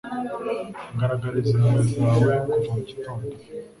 Ngaragariza impuhwe zawe kuva mu gitondo